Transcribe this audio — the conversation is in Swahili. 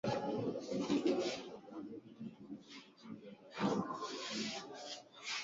Uturuki tembelea sehemu ya Jiografia na Ramani kwenye